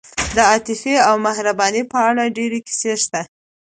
د عاطفې او مهربانۍ په اړه ډېرې کیسې شته.